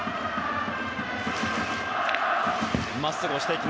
まっすぐで押していく。